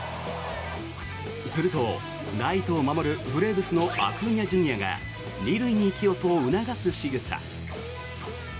すると、ライトを守るブレーブスのアクーニャＪｒ．が２塁に行けよと促すしぐさ。